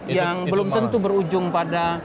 yang belum tentu berujung pada